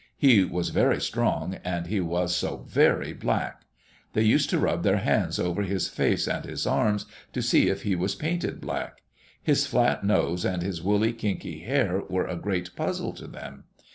He was very strong, and he was so very black. They used to rub their hands over his face and his arms to see if he was painted black. His flat nose and his woolly, kinky hair were a great puzzle to them.